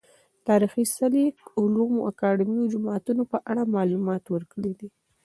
تاريخي څلي، علومو اکادميو، جوماتونه په اړه معلومات ورکړي دي